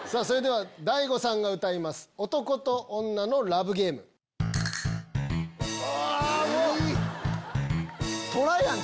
それでは大悟さんが歌います『男と女のラブゲーム』。いい！